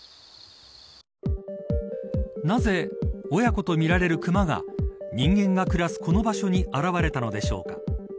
なぜ親子とみられる熊が人間が暮らすこの場所に現れたのでしょうか。